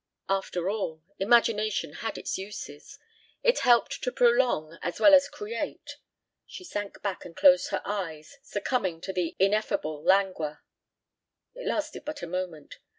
After all, imagination had its uses. It helped to prolong as well as create. ... She sank back and closed her eyes, succumbing to an ineffable languor. It lasted but a moment.